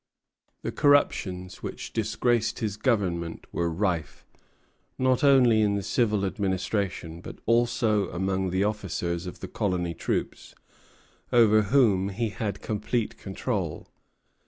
The corruptions which disgraced his government were rife, not only in the civil administration, but also among the officers of the colony troops, over whom he had complete control.